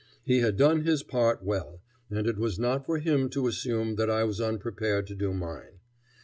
He had done his part well, and it was not for him to assume that I was unprepared to do mine.